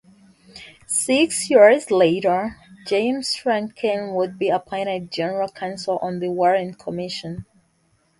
Six years later James Rankin would be appointed General Counsel on the Warren Commission.